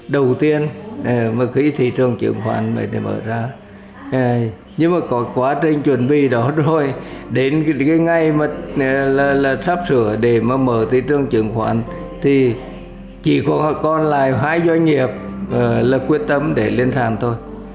đến ngày sắp sửa để mở thị trường chứng khoán thì chỉ còn lại hai doanh nghiệp quyết tâm để lên sàn thôi